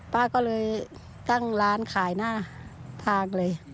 ป้าก็เลยตั้งร้านขายหน้าทางเลย